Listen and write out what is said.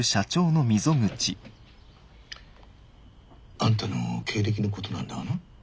あんたの経歴のことなんだがな